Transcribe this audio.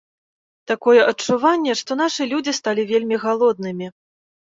Такое адчуванне, што нашы людзі сталі вельмі галоднымі.